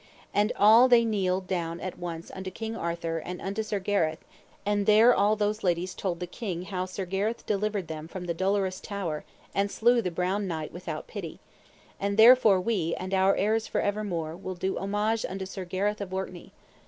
And all they kneeled down at once unto King Arthur and unto Sir Gareth, and there all those ladies told the king how Sir Gareth delivered them from the dolorous tower, and slew the Brown Knight without Pity: And therefore we, and our heirs for evermore, will do homage unto Sir Gareth of Orkney.